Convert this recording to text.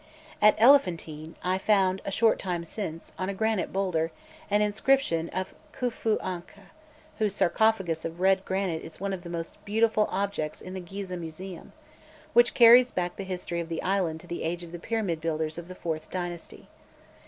At Elephantine, I found, a short time since, on a granite boulder, an inscription of Khufuânkh whose sarcophagus of red granite is one of the most beautiful objects in the Gizeh Museum which carries back the history of the island to the age of the pyramid builders of the fourth dynasty.